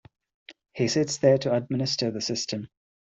He sits there to administer the system.